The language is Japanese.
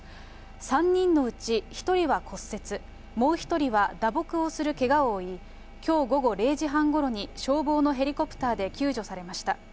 ３人のうち１人は骨折、もう１人は打撲をするけがを負い、きょう午後０時半ごろに、消防のヘリコプターで救助されました。